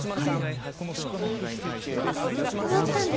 終わったんですか？